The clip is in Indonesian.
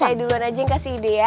saya duluan aja yang kasih ide ya